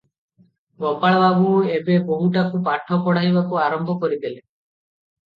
ଗୋପାଳବାବୁ ଏବେ ବୋହୂଟାକୁ ପାଠ ପଢ଼ାଇବାକୁ ଆରମ୍ଭ କରି ଦେଲେ ।